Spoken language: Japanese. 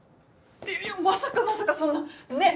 まさかまさかそんなねぇ？